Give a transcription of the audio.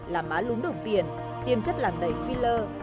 là má lúng đồng tiền tiêm chất làm đầy filler